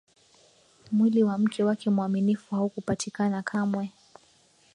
mwili wa mke wake mwaminifu haukupatikana kamwe